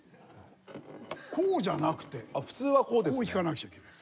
こうじゃなくてこう弾かなくちゃいけない。